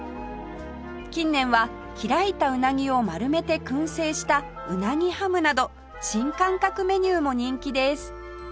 近年は開いたうなぎを丸めて燻製したうなぎハムなど新感覚メニューも人気です